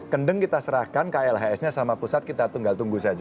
kendeng kita serahkan klhs nya sama pusat kita tinggal tunggu saja